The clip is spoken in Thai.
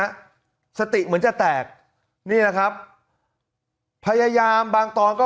ไม่ถูกแล้วนะฮะสติเหมือนจะแตกนี่ครับพยายามบางตอนก็